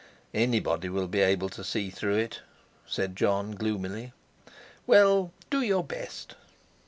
"Anybody will be able to see through it," said Jon gloomily. "Well, do your best.